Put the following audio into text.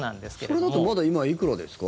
それだと今、いくらですか？